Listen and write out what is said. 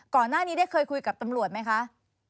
ก่อนหน้านี้ได้เคยคุยกับตำรวจไหมคะ